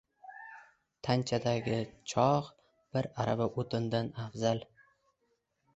• Tanchadagi cho‘g‘ bir arava o‘tindan afzal.